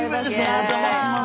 お邪魔します。